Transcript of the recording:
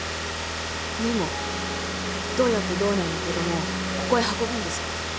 でもどうやって道内の子供をここへ運ぶんですか？